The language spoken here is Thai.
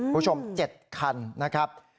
คุณผู้ชม๗คันนะครับ